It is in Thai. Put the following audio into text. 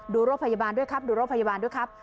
รถพยาบาลด้วยครับดูรถพยาบาลด้วยครับ